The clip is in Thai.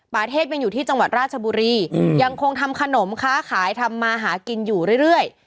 เทพยังอยู่ที่จังหวัดราชบุรียังคงทำขนมค้าขายทำมาหากินอยู่เรื่อย